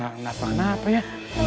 aduh semoga gak ngesel nes apa ya